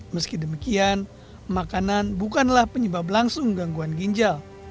meski demikian makanan bukanlah penyebab langsung gangguan ginjal